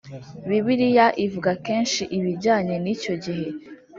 Bibiliya ivuga kenshi ibijyanye n’icyo gihe